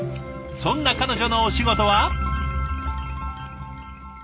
そんな彼女のお仕事は。